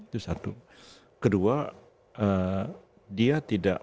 dia tidak mampu mengantisipasi kalau terjadi kesalahan